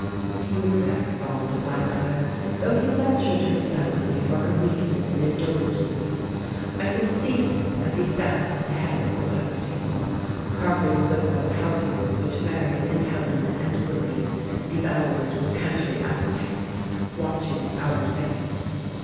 He was very fond of my mother, though he lectured her soundly for her weakness in indulging me. I can see him as he sat at the head of the supper table, carving liberal helpings which Mary and Helen and Willie devoured with country appetites, watching our plates.